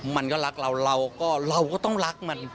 มันก็รักเราเราก็เราก็ต้องรักมัน